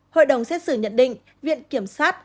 hội đồng xét xử nhận định viện kiểm sát